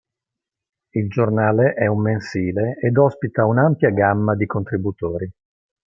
Il giornale è un mensile ed ospita un'ampia gamma di contributori.